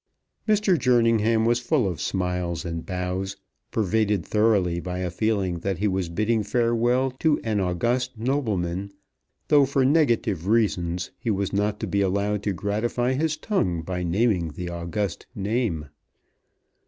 Mr. Jerningham was full of smiles and bows, pervaded thoroughly by a feeling that he was bidding farewell to an august nobleman, though, for negative reasons, he was not to be allowed to gratify his tongue by naming the august name.